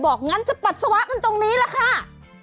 งั้นจะปัสสาวะกันตรงนี้แหละค่ะ